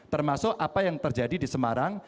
termasuk apa yang terjadi di semarang